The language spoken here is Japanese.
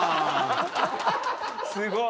すごい。